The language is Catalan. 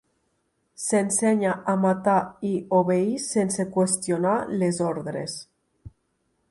S'ensenya a matar i obeir sense qüestionar les ordres.